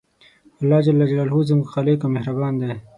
الله ج زموږ خالق او مهربان دی